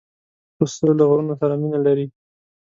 پسه له غرونو سره مینه لري.